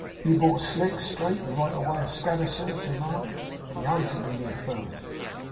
'You bought slick, straight, and right away, of Scadder, sir?' to Mark. He answered in the affirmative.